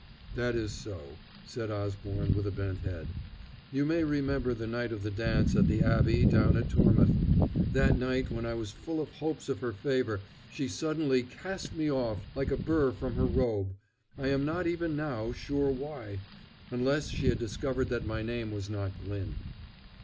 "That is so," said Osborne with a bent head. "You may remember the night of the dance at the Abbey down at Tormouth. That night, when I was full of hopes of her favor, she suddenly cast me off like a burr from her robe I am not even now sure why unless she had discovered that my name was not Glyn."